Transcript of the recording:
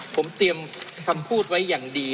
ผมเตรียมคำพูดไว้อย่างดี